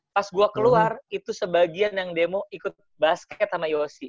pas gue keluar itu sebagian yang demo ikut basket sama yosi